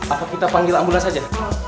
apa kita panggil ambulans saja